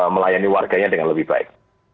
melayani warganya dengan lebih baik